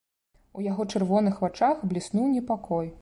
У яго чырвоных вачах бліснуў непакой.